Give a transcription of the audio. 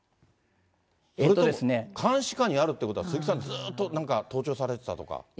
それとも、監視下にあるってことは、鈴木さん、ずっとなんか盗聴されてたとか。